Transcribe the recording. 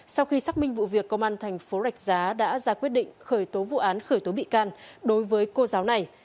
sau khi xác minh vụ việc công an thành phố rạch giá đã ra quyết định khởi tố vụ án khởi tố bị can đối với cô giáo này